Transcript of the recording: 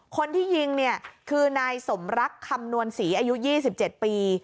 คนที่ยิงเนี่ยคือนายสมรักคำนวณศรีอายุยี่สิบเจ็ดปี